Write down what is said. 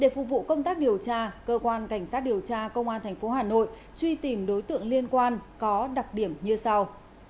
để phục vụ công tác điều tra cơ quan cảnh sát điều tra công an tp hà nội truy tìm đối tượng liên quan có đặc điểm như sau